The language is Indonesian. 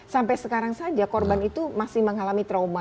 sampai sekarang saja korban itu masih mengalami trauma